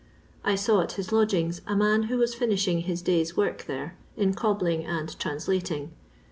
I saw at his lodgings a man who was finishing his day's work there, in cobbling and translating."